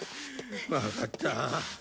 わかった。